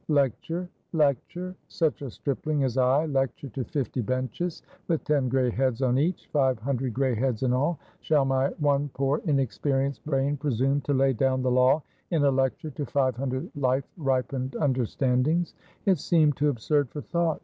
Lecture? lecture? such a stripling as I lecture to fifty benches, with ten gray heads on each? five hundred gray heads in all! Shall my one, poor, inexperienced brain presume to lay down the law in a lecture to five hundred life ripened understandings? It seemed too absurd for thought.